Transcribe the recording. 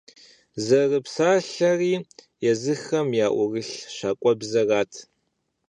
Зэрызэпсалъэри езыхэм яӀурылъ щакӀуэбзэрат.